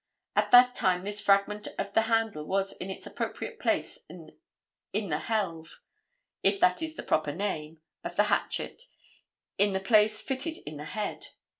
At that time this fragment of the handle was in its appropriate place in the helve, if that is the proper name, of the hatchet, in the place fitted in the head.